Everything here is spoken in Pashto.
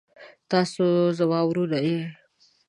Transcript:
تاسو زما وروڼه يې.